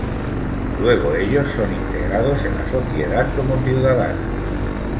Luego ellos son integrados en la sociedad como ciudadanos.